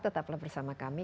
tetaplah bersama kami